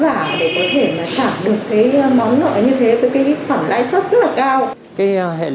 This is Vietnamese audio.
và để có thể là trả được cái móng gọi như thế